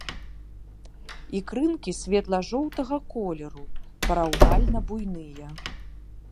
Ікрынкі светла-жоўтага колеру, параўнальна буйныя.